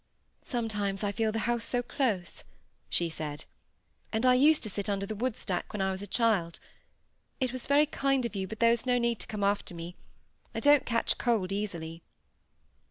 "Sometimes I feel the house so close," she said; "and I used to sit under the wood stack when I was a child. It was very kind of you, but there was no need to come after me. I don't catch cold easily."